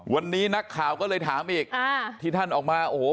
วันนี้นักข่าวก็เลยถามอีกที่ท่านออกมาโอ้โห